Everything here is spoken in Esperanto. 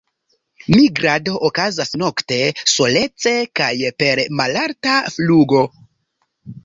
Migrado okazas nokte, solece kaj per malalta flugo.